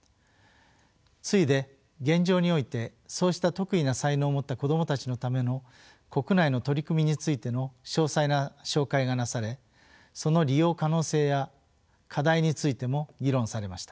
次いで現状においてそうした特異な才能を持った子どもたちのための国内の取り組みについての詳細な紹介がなされその利用可能性や課題についても議論されました。